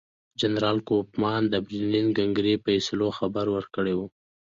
جنرال کوفمان د برلین کنګرې فیصلو خبر ورکړی وو.